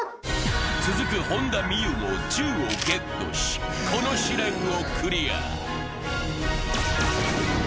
続く本田望結も銃をゲットし、この試練をクリア。